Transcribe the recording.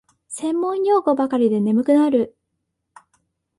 専門用語ばかりで眠くなる